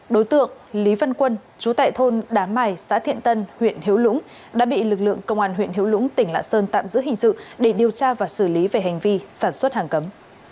đối tượng lý văn quân chú tại thôn đá mài xã thiện tân huyện hữu lũng đã bị lực lượng công an huyện hiểu lũng tỉnh lạ sơn tạm giữ hình sự để điều tra và xử lý về hành vi sản xuất hàng cấm